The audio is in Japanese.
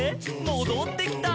もどってきた」